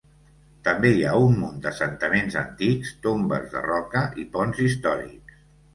També hi ha un munt d'assentaments antics, tombes de roca i ponts històrics.